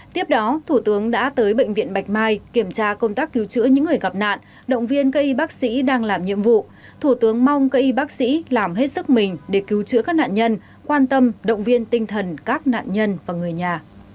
tiếp đó thủ tướng đã tới bệnh viện bạch mai kiểm tra công tác cứu chữa những người gặp nạn động viên cây bác sĩ đang làm nhiệm vụ thủ tướng mong cây bác sĩ làm hết sức mình để cứu chữa các nạn nhân quan tâm động viên tinh thần các nạn nhân và người nhà